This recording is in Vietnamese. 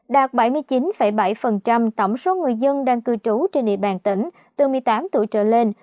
đạt bảy mươi chín bảy tổng số người dân đang cư trú trên địa bàn tỉnh từ một mươi tám tuổi trở lên